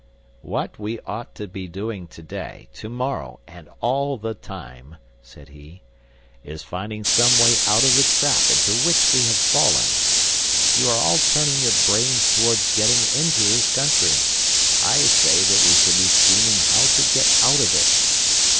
"What we ought to be doing to day, to morrow, and all the time," said he, "is finding some way out of the trap into which we have fallen. You are all turning your brains towards getting into this country. I say that we should be scheming how to get out of it."